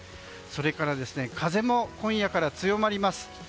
それから風も今夜から強まります。